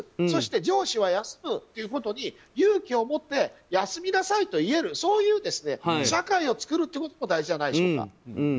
そして上司は休むということに勇気を持って休みなさいと言えるそういう社会を作るということも大事じゃないでしょうか。